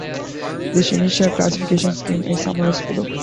This initial classification scheme is summarized below.